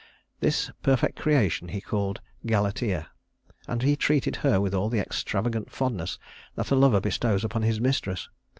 This perfect creation he called Galatea, and he treated her with all the extravagant fondness that a lover bestows upon his mistress.